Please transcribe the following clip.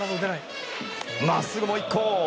まっすぐ、もう１個。